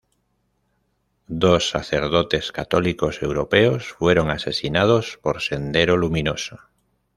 Dos sacerdotes católicos europeos fueron asesinados por Sendero Luminoso.